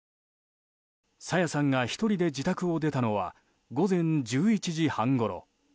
朝芽さんが１人で自宅を出たのは午前１１時半ごろ。